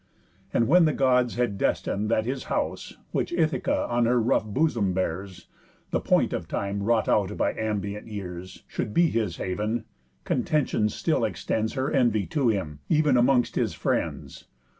And when the Gods had destin'd that his house, Which Ithaca on her rough bosom bears, (The point of time wrought out by ambient years) Should be his haven, Contention still extends Her envy to him, ev'n amongst his friends.